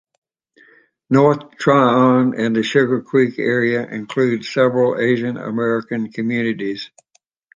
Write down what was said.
North Tryon and the Sugar Creek area include several Asian-American communities.